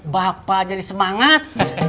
bapak jadi semangat